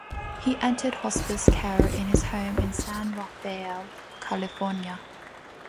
He entered hospice care in his home in San Rafael, California.